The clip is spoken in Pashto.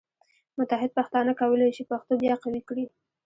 متحد پښتانه کولی شي پښتو بیا قوي کړي.